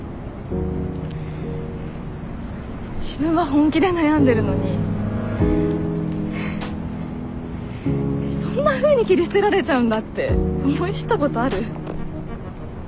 自分は本気で悩んでるのにそんなふうに切り捨てられちゃうんだって思い知ったことある？